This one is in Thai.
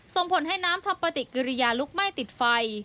ส่งผลให้น้ำทัพปฏิกิริยาลุกไหม้ติดไฟ